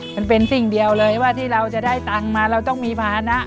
มันเป็นสิ่งเดียวเลยว่าที่เราจะได้ตังค์มาเราต้องมีภาษณะ